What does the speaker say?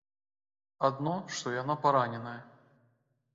Адно, што яна параненая.